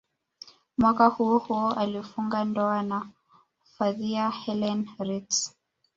Mwaka huohuo alifunga ndoa na Fathia Helen Ritzk